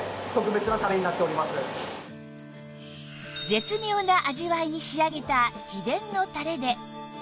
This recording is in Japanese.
絶妙な味わいに仕上げた秘伝のたれで